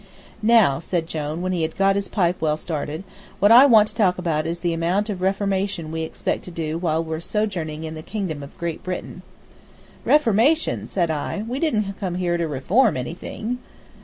"Now," said Jone, when he had got his pipe well started, "what I want to talk about is the amount of reformation we expect to do while we're sojourning in the kingdom of Great Britain." "Reformation!" said I; "we didn't come here to reform anything."